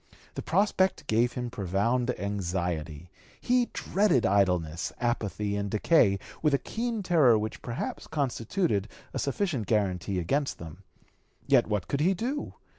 The prospect gave him profound anxiety; he dreaded idleness, apathy, and decay with a keen terror which perhaps constituted a sufficient guaranty against them. Yet what could he do?